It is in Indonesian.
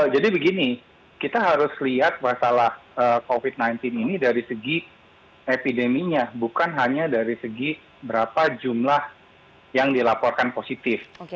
begini kita harus lihat masalah covid sembilan belas ini dari segi epideminya bukan hanya dari segi berapa jumlah yang dilaporkan positif